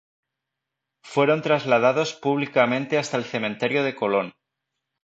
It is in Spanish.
Fueron trasladados públicamente hasta el Cementerio de Colón.